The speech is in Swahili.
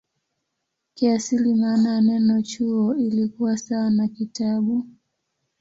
Kiasili maana ya neno "chuo" ilikuwa sawa na "kitabu".